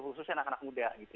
khususnya anak anak muda gitu